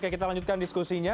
oke kita lanjutkan diskusinya